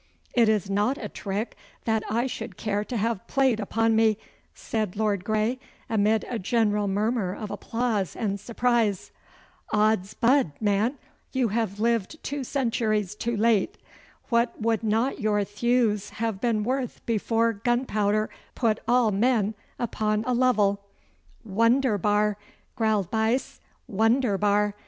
'It is not a trick that I should care to have played upon me,' said Lord Grey, amid a general murmur of applause and surprise. 'Od's bud, man, you have lived two centuries too late. What would not your thews have been worth before gunpowder put all men upon a level!' 'Wunderbar!' growled Buyse, 'wunderbar!